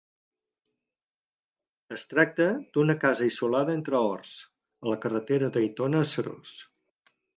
Es tracta d'una casa isolada entre horts, a la carretera d'Aitona a Serós.